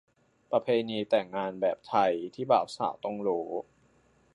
ประเพณีแต่งงานแบบไทยที่บ่าวสาวต้องรู้